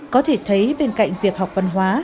có thể thấy bên cạnh việc học văn hóa